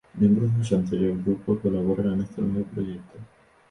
Miembros de su anterior grupo colaboran en este nuevo proyecto.